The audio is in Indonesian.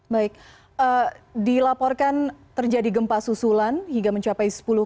baik dilaporkan terjadi gempa susulan hingga mencapai sepuluh